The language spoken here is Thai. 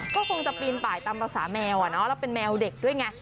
ก็คงจะปีนไปตามภาษาแมวน้อยเนอะแล้วเป็นแมวเด็กด้วยไง